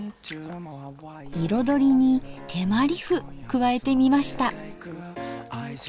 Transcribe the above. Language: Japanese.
彩りに手毬麩加えてみました。